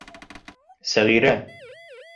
Сәғирә